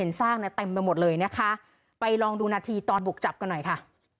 ซากนะเต็มไปหมดเลยนะคะไปลองดูนาทีตอนบุกจับกันหน่อยค่ะ